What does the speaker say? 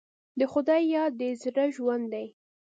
د خدای یاد د زړه ژوند دی.